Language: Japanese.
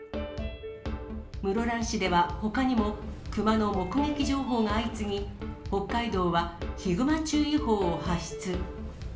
室蘭市ではほかにも、クマの目撃情報が相次ぎ、北海道はヒグマ注意報を発出。